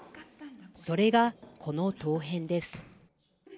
それが、この陶片です。